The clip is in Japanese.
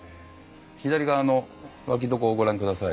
左側の脇床をご覧ください。